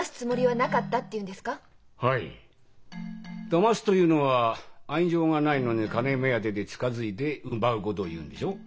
「だます」というのは愛情がないのに金目当てで近づいて奪うことを言うんでしょう？